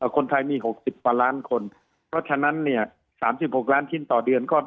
คนไทยมี๖๐ประลานคนเพราะฉะนั้น๓๖ล้านชิ้นต่อเดือน